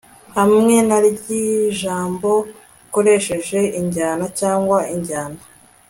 hamwe nary ijambo ukoresheje injyana cyangwa injyana